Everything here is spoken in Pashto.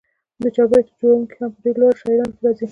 د چاربیتو جوړوونکي هم په ډېرو لوړو شاعرانو کښي راځي.